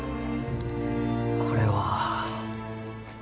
これは。